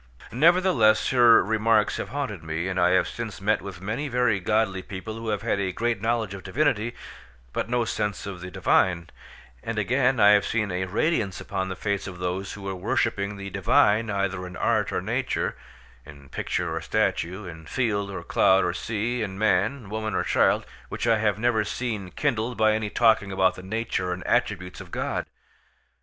Nevertheless, her remarks have haunted me, and I have since met with many very godly people who have had a great knowledge of divinity, but no sense of the divine: and again, I have seen a radiance upon the face of those who were worshipping the divine either in art or nature—in picture or statue—in field or cloud or sea—in man, woman, or child—which I have never seen kindled by any talking about the nature and attributes of God.